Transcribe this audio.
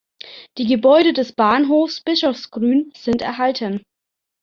Die Gebäude des Bahnhofs Bischofsgrün sind erhalten.